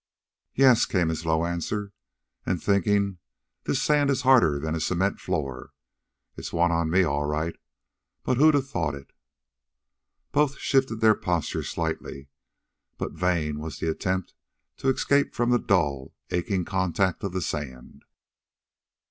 "Yep," came his low answer, " an' thinkin' this sand is harder'n a cement floor. It's one on me, all right. But who'd a thought it?" Both shifted their postures slightly, but vain was the attempt to escape from the dull, aching contact of the sand.